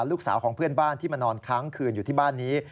ลูกสาวของเพื่อนบ้านที่มานอนค้างคืนอยู่ที่บ้านนี้